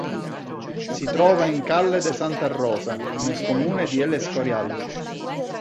Si trova in calle de Santa Rosa, nel comune di El Escorial.